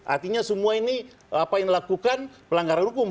artinya semua ini apa yang dilakukan pelanggaran hukum